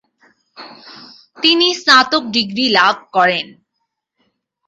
তিনি স্নাতক ডিগ্রী লাভ করেন।